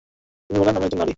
তিনি বললেনঃ আমি একজন নারী।